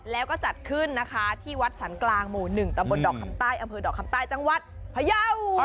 แล้วก็จัดขึ้นที่วัดสรรคลางหมู่๑ตรดคำใต้จังหวัดพญาว